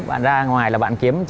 bạn ra ngoài là bạn kiếm